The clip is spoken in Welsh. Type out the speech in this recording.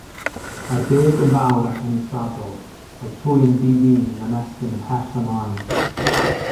Mae'r geg yn fawr ac yn israddol; mae trwyn di-fin yn ymestyn ymhell ymlaen.